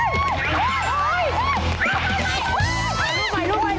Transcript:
ลูกใหม่ลูกใหม่ลูกใหม่